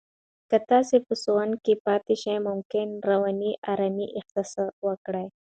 که تاسو په سونا کې پاتې شئ، ممکن رواني آرامۍ احساس وکړئ.